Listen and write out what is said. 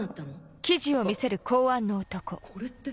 あこれって。